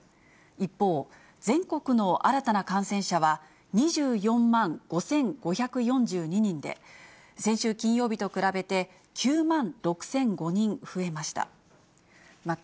一方、全国の新たな感染者は２４万５５４２人で、先週金曜日と比べて９万６００５人増えました。